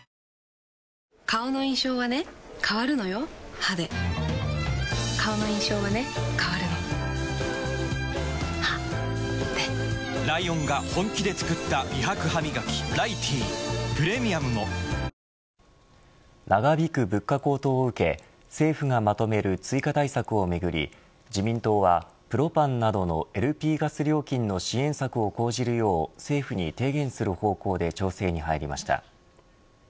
歯で顔の印象はね変わるの歯でライオンが本気で作った美白ハミガキ「ライティー」プレミアムも長引く物価高騰を受け政府がまとめる追加対策をめぐり自民党はプロパンなどのＬＰガス料金の支援策を講じるよう、政府に提言する方向で調整に入りました。